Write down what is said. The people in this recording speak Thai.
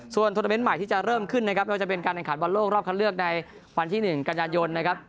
ส่วนทวนาเมนต์ใหม่ที่จะเริ่มขึ้นนะครับไม่ว่าจะเป็นการแข่งขันบอลโลกรอบคันเลือกในวันที่๑กันยายนนะครับ